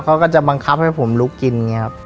เขาก็จะบังคับให้ผมลุกกินอย่างนี้ครับ